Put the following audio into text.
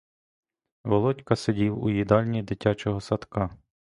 Володька сидів у їдальні дитячого садка.